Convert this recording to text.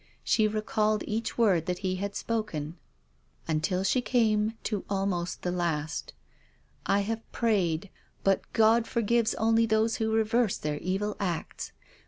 She recalled each word that he had spoken until she came to almost the last, " I have prayed. But God forgives only those who reverse their evil acts.